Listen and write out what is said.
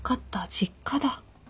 実家だ。